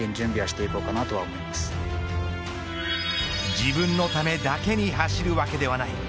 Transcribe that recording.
自分のためだけに走るわけではない。